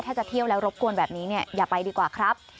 ถ้าจะเที่ยวแล้วรบกวนแบบนี้เนี่ยอย่าไปดีกว่าครับ